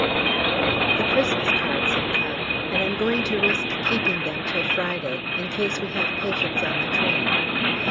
The Xmas Cards have come, and I'm going to risk keeping them till Friday, in case we have patients on the train.